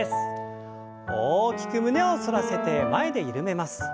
大きく胸を反らせて前で緩めます。